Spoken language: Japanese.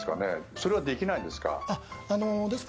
それはできないんですか？